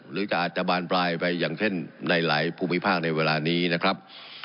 หรือจะอาจจะบานปลายไปอย่างเช่นในหลายภูมิภาคในเวลานี้นะครับ